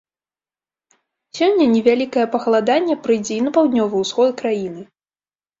Сёння невялікае пахаладанне прыйдзе і на паўднёвы ўсход краіны.